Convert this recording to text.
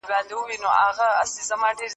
ټیکری په سر کړه چې د باندې لاړه شو.